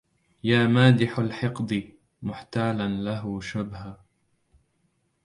يا مادح الحقد محتالا له شبها